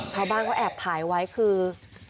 ชาวบ้านเขาแอบถ่ายไว้คือ